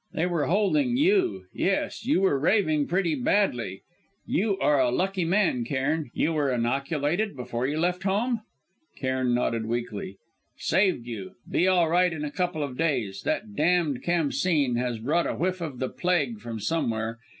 They were holding you yes, you were raving pretty badly. You are a lucky man, Cairn. You were inoculated before you left home?" Cairn nodded weakly. "Saved you. Be all right in a couple of days. That damned Khamsîn has brought a whiff of the plague from somewhere!